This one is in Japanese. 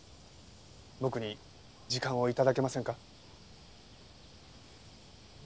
僕に時間を頂けませんか？